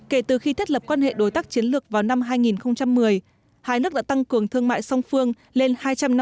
kể từ khi thiết lập quan hệ đối tác chiến lược vào năm hai nghìn một mươi hai nước đã tăng cường thương mại song phương lên hai trăm năm mươi